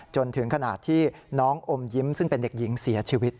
จนถึงขนาดที่น้องอมยิ้มซึ่งเป็นเด็กหญิงเสียชีวิต